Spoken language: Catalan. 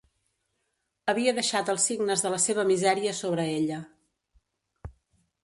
Havia deixat els signes de la seva misèria sobre ella.